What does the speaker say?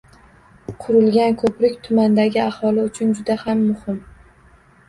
Qurilgan ko'prik tumandagi aholi uchun juda ham muhim